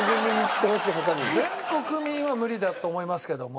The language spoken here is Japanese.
全国民は無理だと思いますけども。